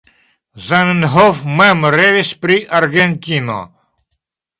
Zamenhof mem revis pri Argentino.